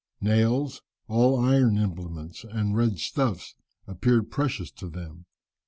Nails, all iron implements, and red stuffs, appeared precious to them.